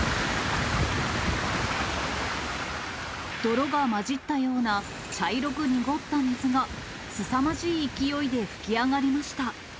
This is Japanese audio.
泥が混じったような茶色く濁った水が、すさまじい勢いで噴き上がりました。